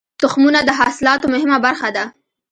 تخمونه د حاصلاتو مهمه برخه ده.